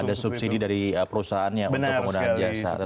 ada subsidi dari perusahaannya untuk penggunaan jasa